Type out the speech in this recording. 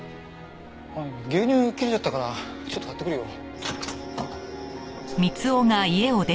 牛乳切れちゃったからちょっと買ってくるよ。